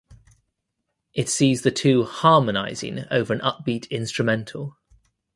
It sees the two "harmonizing over an upbeat instrumental".